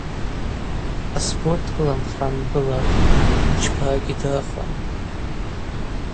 Къасбот дгыланхан дгылапӏ – йчпара гьидырхуам.